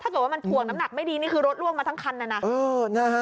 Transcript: ถ้ารถล่วงลงมาทั้งคัน